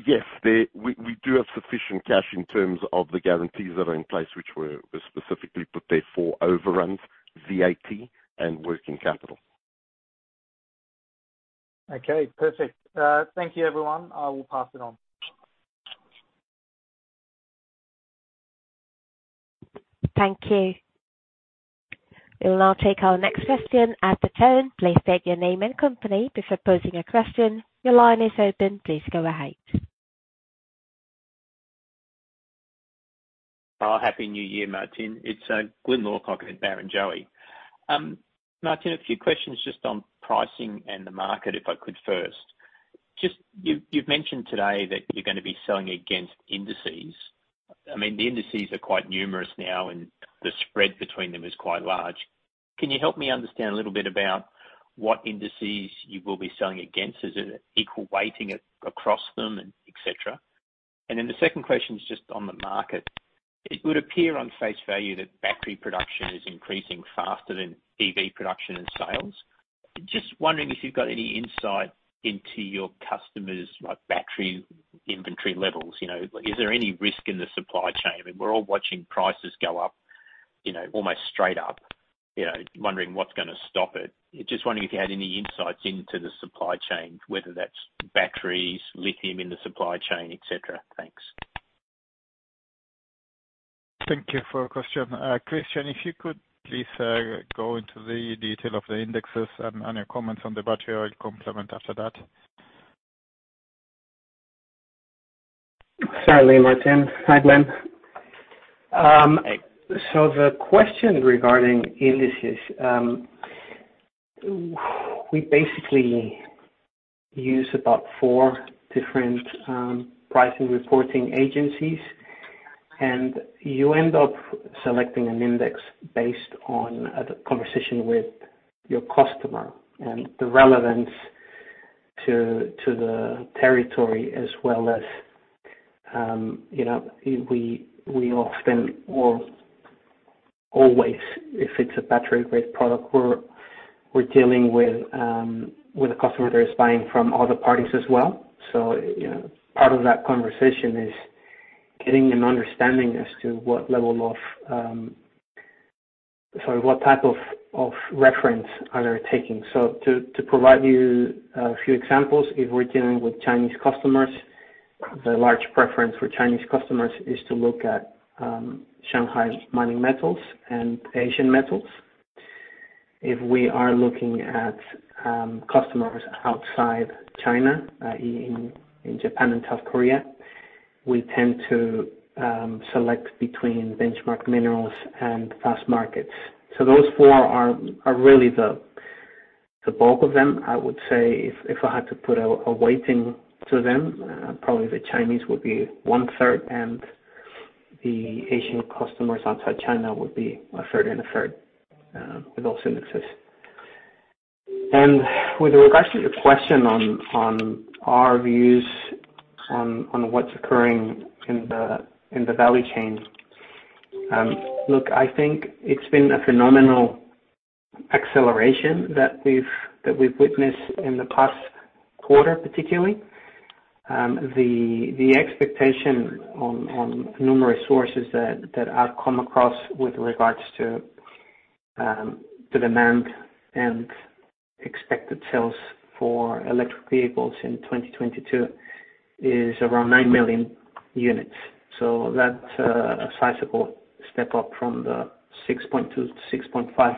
Yes, there... We do have sufficient cash in terms of the guarantees that are in place, which were specifically prepared for overruns, VAT and working capital. Okay, perfect. Thank you everyone. I will pass it on. Thank you. We'll now take our next question. At the tone, please state your name and company before posing a question. Your line is open. Please go ahead. Oh, Happy New Year, Martin. It's Glyn Lawcock at Barrenjoey. Martin, a few questions just on pricing and the market, if I could first. Just you've mentioned today that you're gonna be selling against indices. I mean, the indices are quite numerous now, and the spread between them is quite large. Can you help me understand a little bit about what indices you will be selling against? Is it equal weighting across them and et cetera? And then the second question is just on the market. It would appear on face value that battery production is increasing faster than EV production and sales. Just wondering if you've got any insight into your customers, like battery inventory levels. You know, is there any risk in the supply chain? I mean, we're all watching prices go up, you know, almost straight up, you know, wondering what's gonna stop it. Just wondering if you had any insights into the supply chain, whether that's batteries, lithium in the supply chain, et cetera. Thanks. Thank you for your question. Christian, if you could please go into the detail of the indexes and your comments on the battery, I'll comment after that. Certainly, Martín. Hi, Glenn. The question regarding indices, we basically use about four different pricing reporting agencies, and you end up selecting an index based on the conversation with your customer and the relevance to the territory as well as, you know, we often or always, if it's a battery-grade product, we're dealing with a customer that is buying from other parties as well. You know, part of that conversation is getting an understanding as to what level of... Sorry, what type of reference are they taking. To provide you a few examples, if we're dealing with Chinese customers. The large preference for Chinese customers is to look at Shanghai Metals Market and Asian Metal. If we are looking at customers outside China in Japan and South Korea, we tend to select between Benchmark Minerals and Fastmarkets. Those four are really the bulk of them. I would say if I had to put a weighting to them, probably the Chinese would be one-third and the Asian customers outside China would be a third and a third with those indexes. With regards to your question on our views on what's occurring in the value chain, look, I think it's been a phenomenal acceleration that we've witnessed in the past quarter, particularly. The expectation on numerous sources that I've come across with regards to the demand and expected sales for electric vehicles in 2022 is around 9 million units. That a sizable step up from the 6.2 to 6.5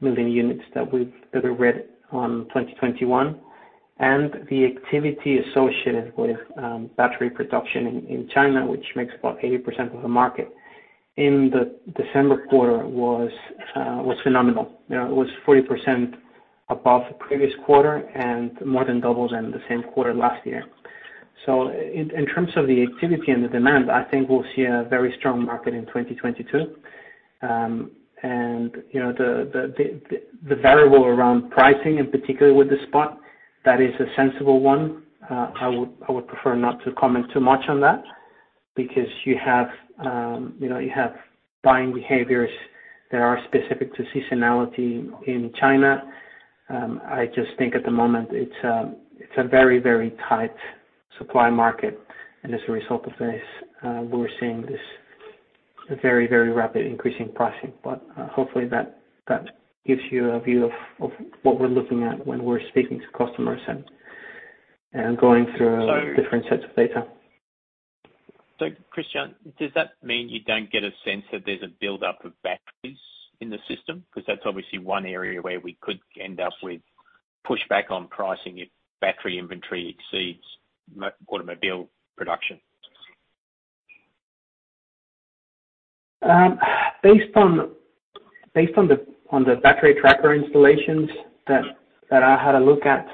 million units that we read on 2021. The activity associated with battery production in China, which makes about 80% of the market, in the December quarter was phenomenal. You know, it was 40% above the previous quarter and more than doubles in the same quarter last year. In terms of the activity and the demand, I think we'll see a very strong market in 2022. You know, the variable around pricing, and particularly with the spot, that is a sensible one. I would prefer not to comment too much on that because you have, you know, buying behaviors that are specific to seasonality in China. I just think at the moment it's a very, very tight supply market. As a result of this, we're seeing this very, very rapid increase in pricing. Hopefully that gives you a view of what we're looking at when we're speaking to customers and going through- So- different sets of data. Christian, does that mean you don't get a sense that there's a buildup of batteries in the system? Because that's obviously one area where we could end up with pushback on pricing if battery inventory exceeds automobile production. Based on the battery tracker installations that I had a look at,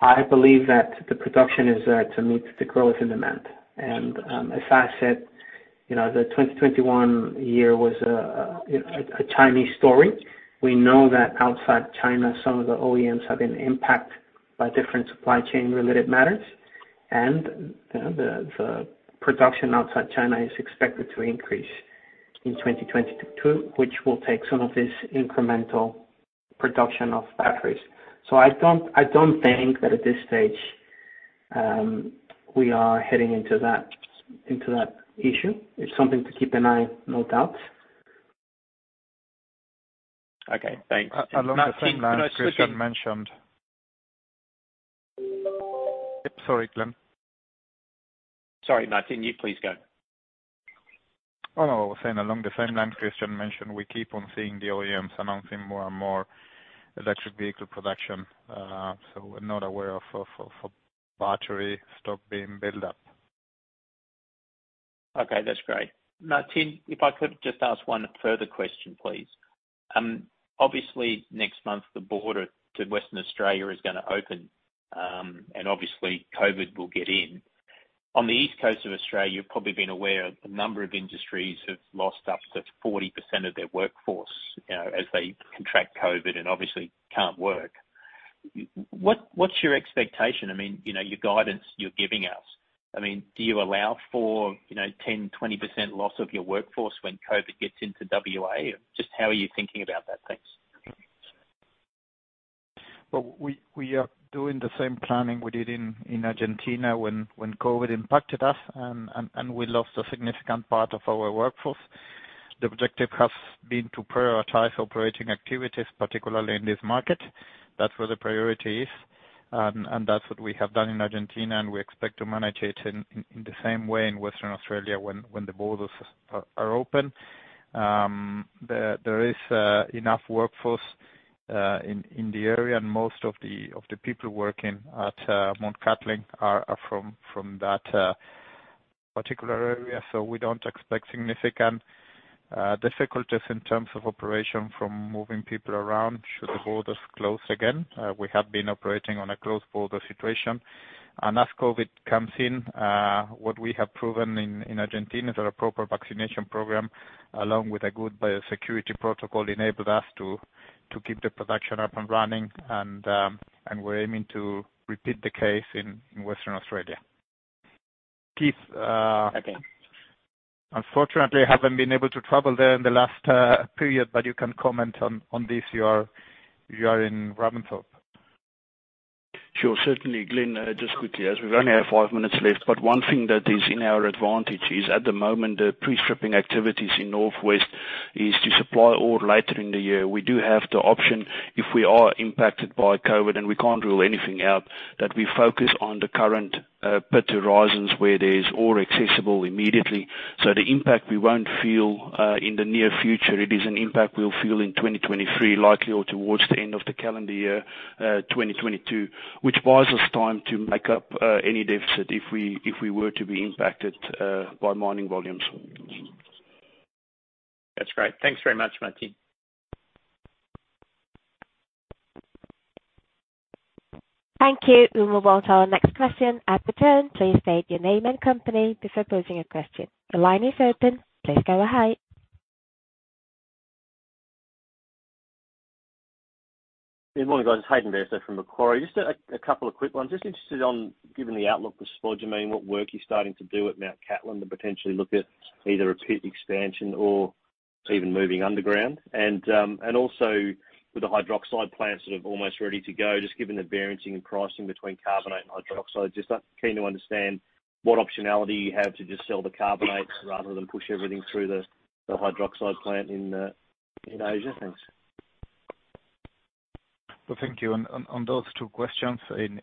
I believe that the production is to meet the growth in demand. As I said, you know, the 2021 year was a Chinese story. We know that outside China, some of the OEMs have been impacted by different supply chain related matters. The production outside China is expected to increase in 2022, which will take some of this incremental production of batteries. I don't think that at this stage, we are heading into that issue. It's something to keep an eye, no doubt. Okay, thanks. Along the same line Christian mentioned. Martín, can I switch. Sorry, Glyn. Sorry, Martín, you please go. Oh, no. I was saying along the same line Christian mentioned, we keep on seeing the OEMs announcing more and more electric vehicle production. So we're not aware of a battery stock being built up. Okay, that's great. Martín, if I could just ask one further question, please. Obviously next month the border to Western Australia is gonna open, and obviously COVID will get in. On the east coast of Australia, you've probably been aware a number of industries have lost up to 40% of their workforce, you know, as they contract COVID and obviously can't work. What's your expectation? I mean, you know, your guidance you're giving us, I mean, do you allow for, you know, 10%, 20% loss of your workforce when COVID gets into WA? Just how are you thinking about that? Thanks. Well, we are doing the same planning we did in Argentina when COVID impacted us and we lost a significant part of our workforce. The objective has been to prioritize operating activities, particularly in this market. That's where the priority is. That's what we have done in Argentina, and we expect to manage it in the same way in Western Australia when the borders are open. There is enough workforce in the area, and most of the people working at Mt. Cattlin are from that particular area. We don't expect significant difficulties in terms of operation from moving people around should the borders close again. We have been operating on a closed border situation. As COVID comes in, what we have proven in Argentina is that a proper vaccination program, along with a good biosecurity protocol, enabled us to keep the production up and running and we're aiming to repeat the case in Western Australia. Keith, Okay. Unfortunately, I haven't been able to travel there in the last period, but you can comment on this. You are in Ravensthorpe. Sure, certainly. Glyn, just quickly as we've only have five minutes left, but one thing that is in our advantage is at the moment, the pre-stripping activities in northwest- Is to supply ore later in the year. We do have the option if we are impacted by COVID, and we can't rule anything out, that we focus on the current pit horizons where there is ore accessible immediately. The impact we won't feel in the near future. It is an impact we'll feel in 2023, likely or towards the end of the calendar year 2022, which buys us time to make up any deficit if we were to be impacted by mining volumes. That's great. Thanks very much, Martín. Thank you. We'll move on to our next question. At the tone, please state your name and company before posing your question. The line is open. Please go ahead. Good morning, guys. It's Hayden Bairstow from Macquarie. Just a couple of quick ones. Just interested in, given the outlook for spodumene, what work you're starting to do at Mt Cattlin to potentially look at either a pit expansion or even moving underground. With the hydroxide plants that are almost ready to go, just given the variance in pricing between carbonate and hydroxide, keen to understand what optionality you have to just sell the carbonate rather than push everything through the hydroxide plant in Asia. Thanks. Well, thank you. On those two questions, in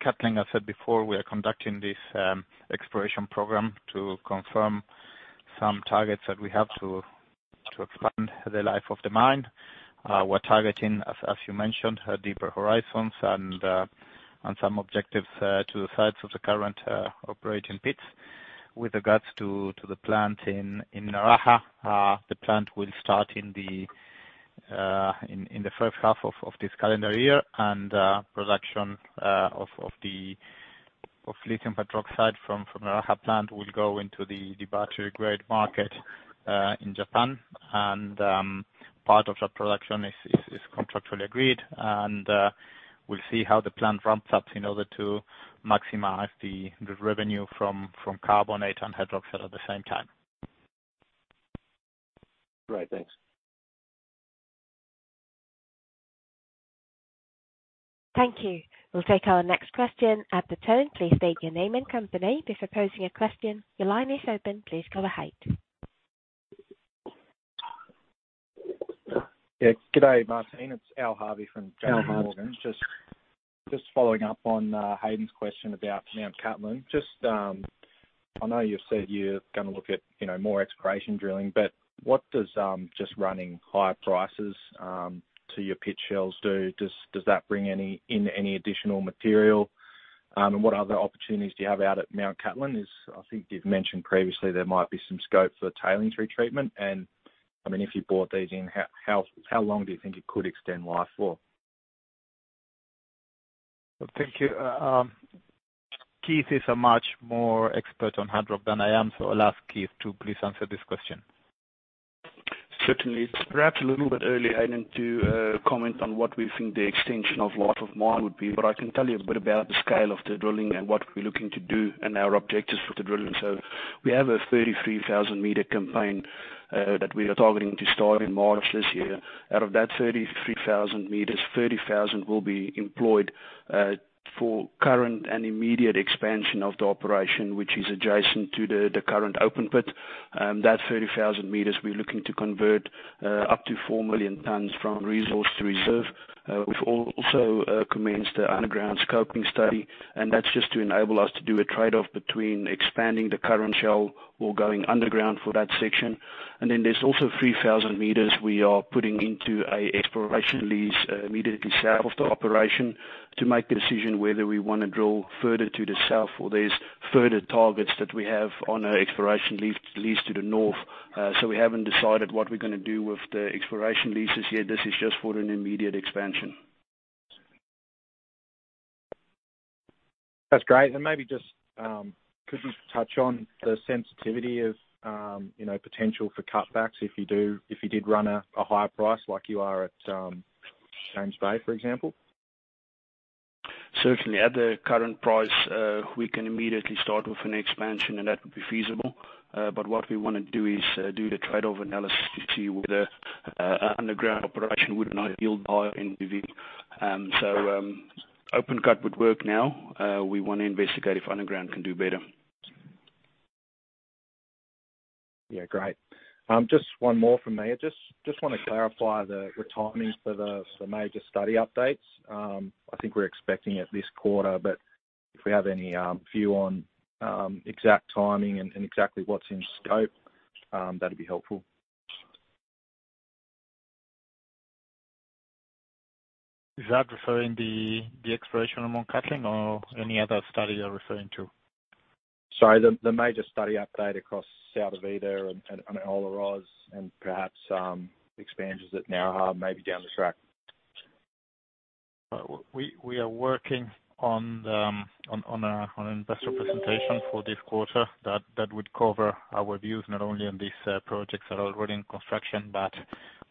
Cattlin, I said before, we are conducting this exploration program to confirm some targets that we have to expand the life of the mine. We're targeting, as you mentioned, deeper horizons and some objectives to the sides of the current operating pits. With regards to the plant in Naraha, the plant will start in the first half of this calendar year, and production of the lithium hydroxide from Naraha plant will go into the battery-grade market in Japan. Part of that production is contractually agreed, and we'll see how the plant ramps up in order to maximize the revenue from carbonate and hydroxide at the same time. Great. Thanks. Thank you. We'll take our next question. At the tone, please state your name and company before posing your question. Your line is open. Please go ahead. Yeah. Good day, Martín. It's Al Harvey from- Al Harvey. Just following up on Hayden's question about Mt. Cattlin. I know you've said you're gonna look at, you know, more exploration drilling, but what does just running higher prices to your pit shells do? Does that bring any additional material? What other opportunities do you have out at Mt. Cattlin? I think you've mentioned previously there might be some scope for tailings retreatment. I mean, if you brought these in, how long do you think it could extend life for? Thank you. Keith is a much more expert on hard rock than I am, so I'll ask Keith to please answer this question. Certainly. It's perhaps a little bit early, Hayden, to comment on what we think the extension of life of mine would be, but I can tell you a bit about the scale of the drilling and what we're looking to do and our objectives for the drilling. We have a 33,000-meter campaign that we are targeting to start in March this year. Out of that 33,000 meters, 30,000 will be employed for current and immediate expansion of the operation, which is adjacent to the current open pit. That 30,000 meters, we're looking to convert up to 4 million tons from resource to reserve. We've also commenced the underground scoping study, and that's just to enable us to do a trade-off between expanding the current shell or going underground for that section. There's also 3,000 meters we are putting into an exploration lease immediately south of the operation to make the decision whether we wanna drill further to the south or there's further targets that we have on our exploration lease to the north. We haven't decided what we're gonna do with the exploration leases yet. This is just for an immediate expansion. That's great. Maybe just could you touch on the sensitivity of, you know, potential for cutbacks if you did run a higher price like you are at James Bay, for example? Certainly. At the current price, we can immediately start with an expansion, and that would be feasible. What we wanna do is do the trade-off analysis to see whether underground operation would not yield higher NPV. Open cut would work now. We wanna investigate if underground can do better. Yeah. Great. Just one more from me. I just wanna clarify the timing for major study updates. I think we're expecting it this quarter, but if we have any view on exact timing and exactly what's in scope, that'd be helpful. Is that referring to the exploration at Mt Cattlin or any other study you're referring to? Sorry. The major study update across Sal de Vida there and Olaroz and perhaps expansions at Naraha maybe down the track. We are working on an investor presentation for this quarter that would cover our views not only on these projects that are already in construction but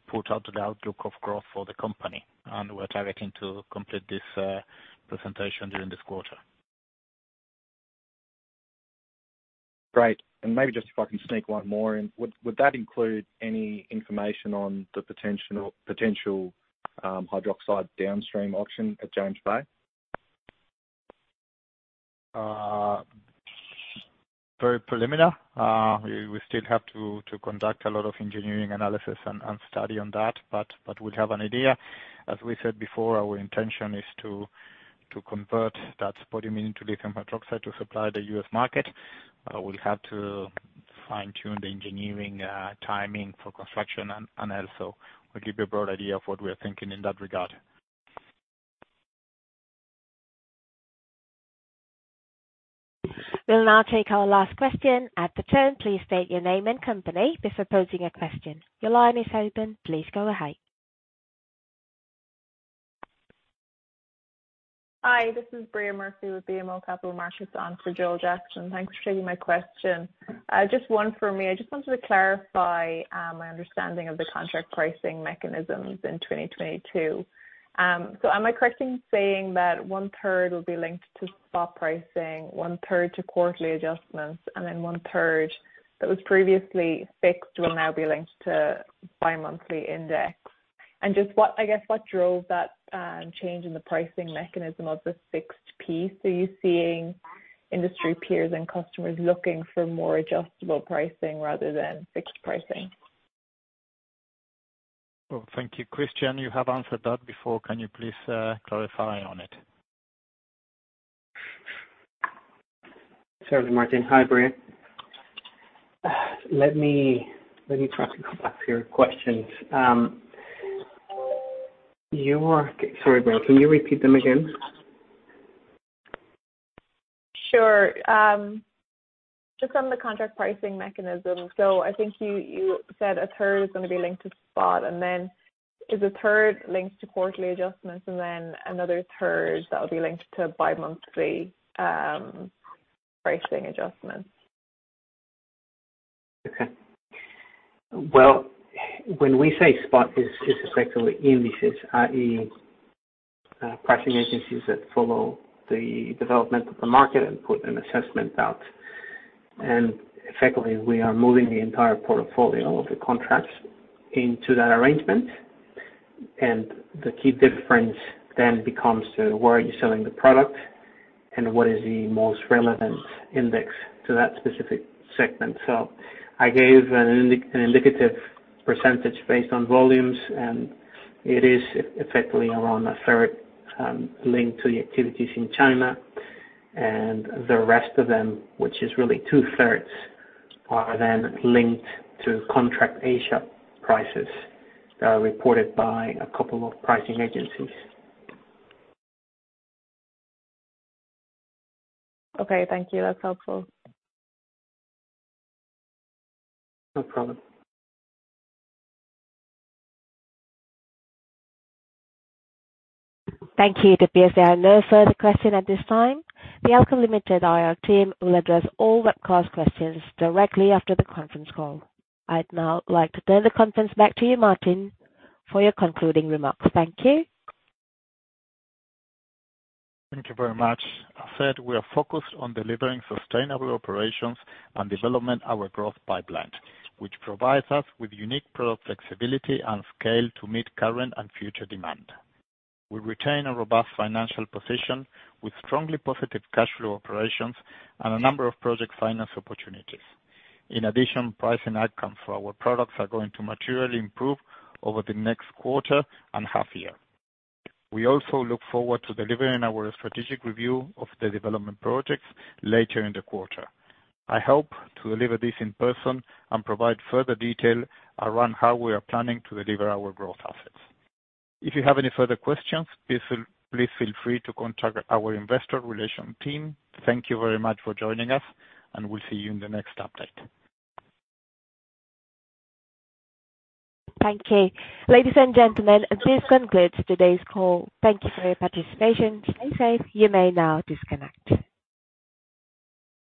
put out the outlook of growth for the company, and we're targeting to complete this presentation during this quarter. Great. Maybe just if I can sneak one more in. Would that include any information on the potential hydroxide downstream option at James Bay? Very preliminary. We still have to conduct a lot of engineering analysis and study on that, but we have an idea. As we said before, our intention is to convert that spodumene into lithium hydroxide to supply the U.S. market. We'll have to fine-tune the engineering, timing for construction and also we'll give you a broad idea of what we are thinking in that regard. We'll now take our last question. At the tone, please state your name and company before posing your question. Your line is open. Please go ahead. Hi, this is Bria Murphy with BMO Capital Markets on for Joel Jackson. Thanks for taking my question. Just one for me. I just wanted to clarify my understanding of the contract pricing mechanisms in 2022. So am I correct in saying that one-third will be linked to spot pricing, one-third to quarterly adjustments, and then one-third that was previously fixed will now be linked to bi-monthly index? Just, I guess, what drove that change in the pricing mechanism of the fixed piece? Are you seeing industry peers and customers looking for more adjustable pricing rather than fixed pricing? Oh, thank you. Christian, you have answered that before. Can you please clarify on it? Certainly, Martín. Hi, Bria. Let me try to go back to your questions. Sorry, Bria, can you repeat them again? Sure. Just on the contract pricing mechanism. I think you said a third is gonna be linked to spot, and then is a third linked to quarterly adjustments and then another third that will be linked to bi-monthly pricing adjustments. Okay. Well, when we say spot is just effectively indices, i.e., pricing agencies that follow the development of the market and put an assessment out. Effectively, we are moving the entire portfolio of the contracts into that arrangement. The key difference then becomes to where are you selling the product and what is the most relevant index to that specific segment. I gave an indicative percentage based on volumes, and it is effectively around a third linked to the activities in China. The rest of them, which is really two-thirds, are then linked to contract Asia prices that are reported by a couple of pricing agencies. Okay, thank you. That's helpful. No problem. Thank you. It appears there are no further question at this time. The Allkem Limited IR team will address all webcast questions directly after the conference call. I'd now like to turn the conference back to you, Martín, for your concluding remarks. Thank you. Thank you very much. As said, we are focused on delivering sustainable operations and developing our growth pipeline, which provides us with unique product flexibility and scale to meet current and future demand. We retain a robust financial position with strongly positive cash flow operations and a number of project finance opportunities. In addition, pricing outcomes for our products are going to materially improve over the next quarter and half year. We also look forward to delivering our strategic review of the development projects later in the quarter. I hope to deliver this in person and provide further detail around how we are planning to deliver our growth assets. If you have any further questions, please feel free to contact our Investor Relations team. Thank you very much for joining us, and we'll see you in the next update. Thank you. Ladies and gentlemen, this concludes today's call. Thank you for your participation. Stay safe. You may now disconnect.